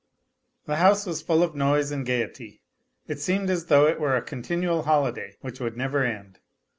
The house was full of noise and gaiety. It seemed as though it were a continual holiday, which would never end.